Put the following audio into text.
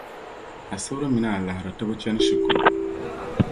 Asibri mini Alahiri, ti bi chani shikuru.